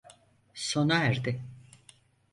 Sona erdi.